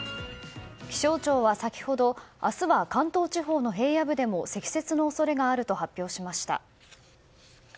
気象庁は先ほど明日は関東地方の平野部でも積雪の恐れがあると発表しました。